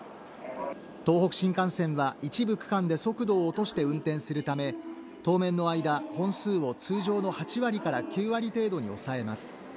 東北新幹線は一部区間で速度を落として運転するため当面の間、本数を通常の８割から９割程度に抑えます。